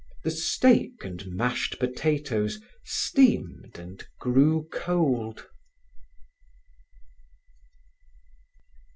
The steak and mashed potatoes steamed and grew cold.